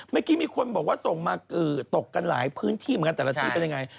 เมื่อกี้มีคนบอกว่าส่งมาตกกันหลายพื้นที่เหมือนกันแต่ละที่เป็นยังไง